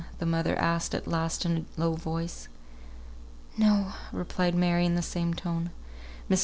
the mother asked at last in a low voice. "No!" replied Mary, in the same tone. Mrs.